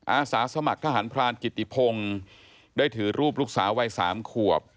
อาสาสมัครทหารพรานกิติพงศ์ได้ถือรูปลูกสาววัย๓ขวบ